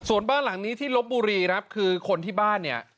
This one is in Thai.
ส่วนบ้านหลังนี้ที่ลบบุรีครับคือคนที่บ้านเนี่ย